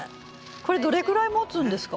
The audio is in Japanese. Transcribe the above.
これどれぐらいもつんですか？